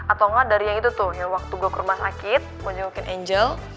atau enggak dari yang itu tuh waktu gue ke rumah sakit gue nyengukin angel